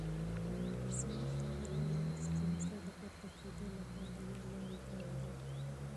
زموږ هره لویه ستونزه د پورته کېدو لپاره یو نوی ګام دی.